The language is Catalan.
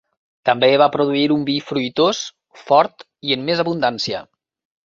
També va produir un vi fruitós, fort i en més abundància.